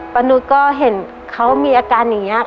ประนุษย์ก็เห็นเขามีอาการเหนียะ